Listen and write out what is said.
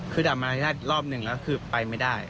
คือดับมาได้รอบนึงแล้วคือไปไม่ได้